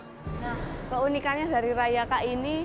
nah keunikannya dari rayaka ini